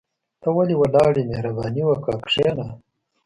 ته ولي ولاړ يى مهرباني وکاه کشينه